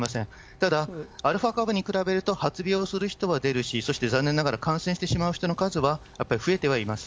ただ、アルファ株に比べると、発病する人は出るし、そして残念ながら、感染してしまう人の数はやっぱり増えてはいます。